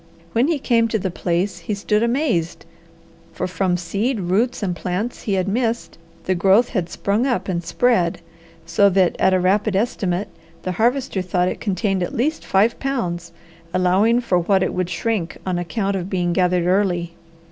When he came to the place he stood amazed, for from seed, roots, and plants he had missed, the growth had sprung up and spread, so that at a rapid estimate the Harvester thought it contained at least five pounds, allowing for what it would shrink on account of being gathered early.